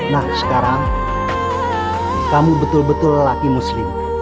nah sekarang kamu betul betul lelaki muslim